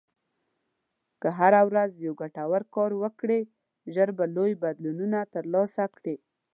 که هره ورځ یو ګټور کار وکړې، ژر به لوی بدلونونه ترلاسه کړې.